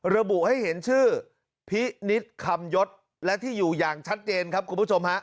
ระบุให้เห็นชื่อพินิษฐ์คำยศและที่อยู่อย่างชัดเจนครับคุณผู้ชมฮะ